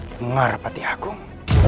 dengar pati agung